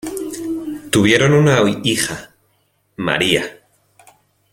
Tuvieron una hija, Maria.